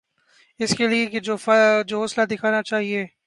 اس لئے کہ جو حوصلہ دکھانا چاہیے۔